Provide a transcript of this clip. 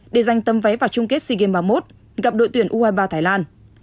để giành tấm vé vào chung kết sea games ba mươi một gặp đội tuyển u hai mươi ba thái lan